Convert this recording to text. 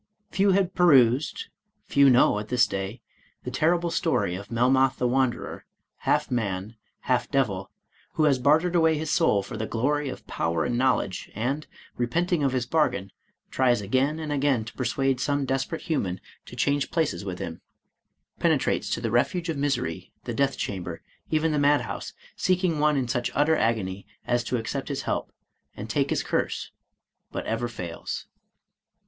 Few had perused — few know at this day — ^the terrible story of Melmoth the Wanderer, half man, half devil, who has bartered away his soul for the glory of power and knowledge, and, repenting of his bargain, tries again and again to persuade some desperate human to change places with him — ^penetrates to the refuge of misery, the death cham ber, even the madhouse, seeking one in such utter agony as to accept his help, and take his curse — but ever fails.